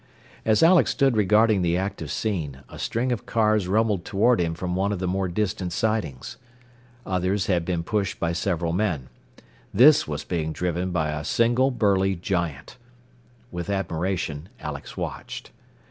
As Alex stood regarding the active scene, a string of cars rumbled toward him from one of the more distant sidings. Others had been pushed by several men. This was being driven by a single burly giant. With admiration Alex watched.